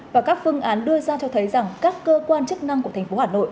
và các phương án đưa ra cho thấy rằng các cơ quan chức năng của thành phố hà nội